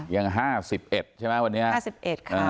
ยัง๕๑ใช่ไหมวันนี้๕๑ค่ะ